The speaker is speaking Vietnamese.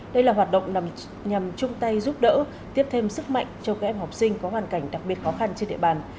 đây là hoạt động nằm nhằm chung tay giúp đỡ tiếp thêm sức mạnh cho các em học sinh có hoàn cảnh đặc biệt khó khăn trên địa bàn